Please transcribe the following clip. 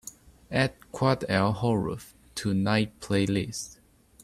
add qad el horoof to night playlist